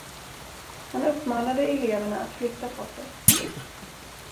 Han uppmanade eleverna att flytta på sig.